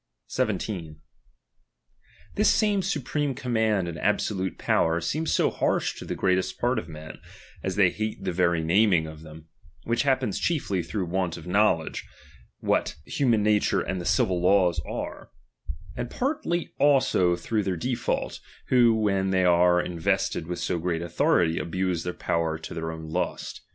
17 This same supreme command and absolute ^'^*T™™^nf^^ power, seems so harsh to the greatest part of men, cDtuuiHios diy, as they hate the very naming of them ; which ^oi^dnoitamir laappens chiefly through want of itnowledge, what Xa^"^^'' Imman nature and the civil laws are ; and partly ^h also through their default, who, when they are in ^^H vested with so great authority, abuse their power ^^M to their own lust.